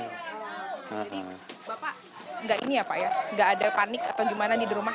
jadi bapak nggak ini ya pak ya nggak ada panik atau gimana di rumah